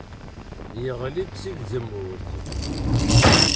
Yeɣli-d si tzemmurt.